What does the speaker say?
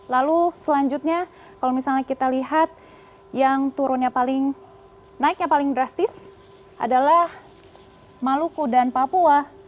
lalu selanjutnya kalau misalnya kita lihat yang turunnya paling naiknya paling drastis adalah maluku dan papua